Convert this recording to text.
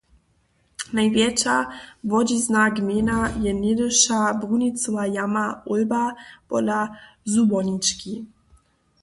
Najwjetša wodźizna gmejny je něhdyša brunicowa jama Olba pola Zubornički.